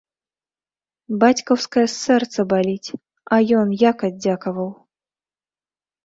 Бацькаўскае сэрца баліць, а ён як аддзякаваў?